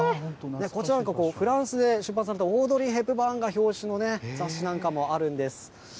こちらなんかフランスで出版されたオードリー・ヘップバーンの表紙のね、雑誌なんかもあるんです。